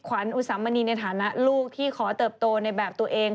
ขวัญอุสามณีในฐานะลูกที่ขอเติบโตในแบบตัวเอง